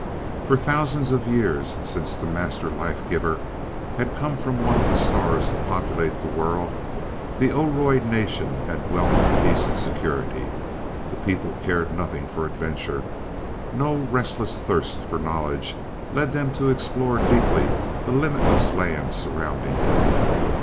"For thousands of years, since the master life giver had come from one of the stars to populate the world, the Oroid nation had dwelt in peace and security. These people cared nothing for adventure. No restless thirst for knowledge led them to explore deeply the limitless land surrounding them.